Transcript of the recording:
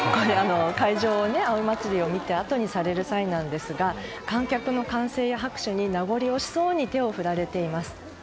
葵祭を見て退場される際なんですが観客の歓声や拍手に名残惜しそうに手を振られています。